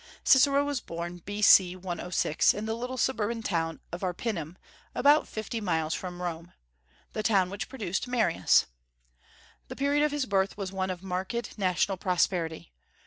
Cicero was born B.C. 106, in the little suburban town of Arpinum, about fifty miles from Rome, the town which produced Marius. The period of his birth was one of marked national prosperity.